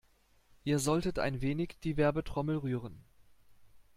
Ihr solltet ein wenig die Werbetrommel rühren.